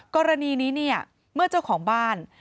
กรณีนี้เนี่ยเมื่อเจ้าของบ้าน